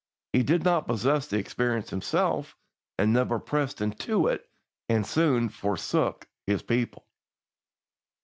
He did not possess the experience himself, and never pressed into it and soon forsook his people.